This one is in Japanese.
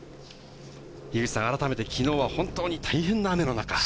あらためて昨日は本当に大変な雨の中。